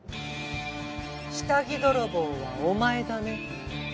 下着泥棒はお前だね。